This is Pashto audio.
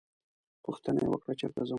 پوښتنه یې وکړه چېرته ځم.